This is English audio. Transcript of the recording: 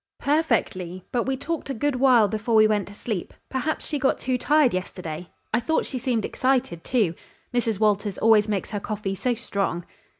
"Perfectly, but we talked a good while before we went to sleep. Perhaps she got too tired yesterday. I thought she seemed excited, too. Mrs. Walters always makes her coffee so strong."